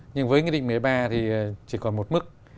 nhưng với nghị định một mươi ba thì chỉ còn một mức